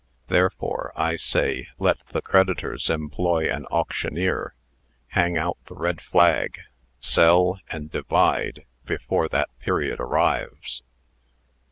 Therefore, I say, let the creditors employ an auctioneer, hang out the red flag, sell, and divide, before that period arrives."